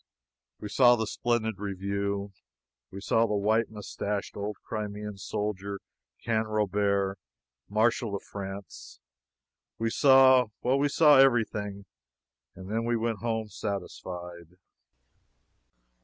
We saw the splendid review, we saw the white moustached old Crimean soldier, Canrobert, Marshal of France, we saw well, we saw every thing, and then we went home satisfied.